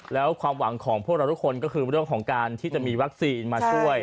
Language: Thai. แล้วความหวังของพวกเราทุกคนก็คือเรื่องของการที่จะมีวัคซีนมาช่วย